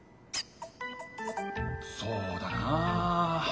そうだな。